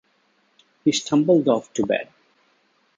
He stumbled off to bed.